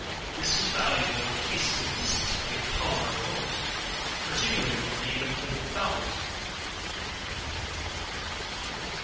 This is valuable in cases of dysentery and cholera morbus, particularly when made of old fowls.